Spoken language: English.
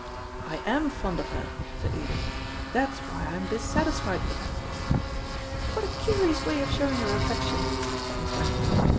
"I am fond of her," said Edith; "that's why I'm dissatisfied with her." "What a curious way of showing your affection," said Miss Grantham.